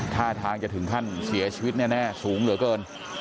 ท่าทางจะถึงขั้นเสียชีวิตแน่สูงเหลือเกิน